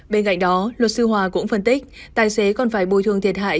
bên cạnh đó luật sư hòa cũng phân tích tài xế còn phải bồi thường thiệt hại